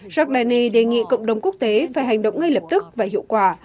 giordani đề nghị cộng đồng quốc tế phải hành động ngay lập tức và hiệu quả